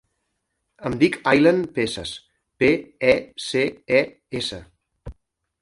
Em dic Aylen Peces: pe, e, ce, e, essa.